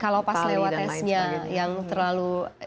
kalau pas lewat tesnya yang terlalu